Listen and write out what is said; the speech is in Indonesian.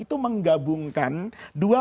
itu menggabungkan dua